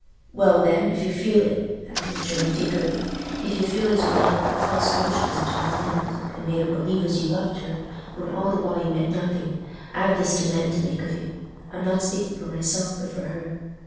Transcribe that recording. "Well, then, if you feel it," Adam rejoined, eagerly; "if you feel as you may ha' put false notions into her mind, and made her believe as you loved her, when all the while you meant nothing, I've this demand to make of you—I'm not speaking for myself, but for her.